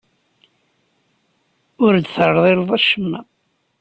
Ur d-terḍileḍ acemma.